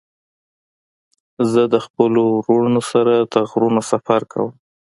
زه د خپلو ورونو سره د غرونو سفر کوم.